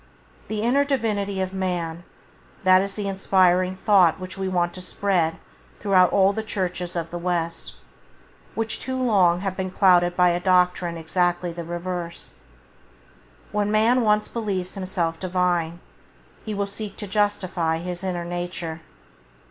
The inner Divinity of man, that is the inspiring thought which we want to spread through all the Churches of the West, which too long have been clouded by a doctrine exactly the reverse. When man once believes himself Divine, he will seek to justify his inner nature.